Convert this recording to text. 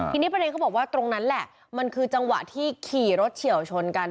ทีนี้ประเด็นเขาบอกว่าตรงนั้นแหละมันคือจังหวะที่ขี่รถเฉียวชนกัน